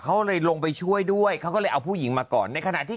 เขาเลยลงไปช่วยด้วยเขาก็เลยเอาผู้หญิงมาก่อนในขณะที่